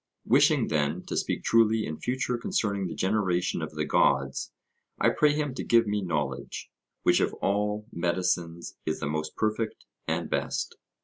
Wishing, then, to speak truly in future concerning the generation of the gods, I pray him to give me knowledge, which of all medicines is the most perfect and best.